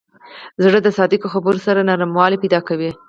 زړه د صادقو خبرو سره نرموالی پیدا کوي.